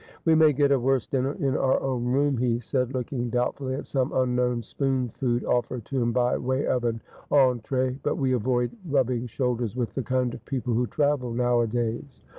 ' We may get a worse dinner in our o"wn room,' he said, look ing doubtfully at some unknown spoon food ofEered to him by way of an eniree, ' but we avoid rubbing shoulders with the kind of people who travel nowadays.'